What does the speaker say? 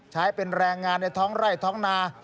ใช้เป็นแรงงานในท้องไร่ท้องนา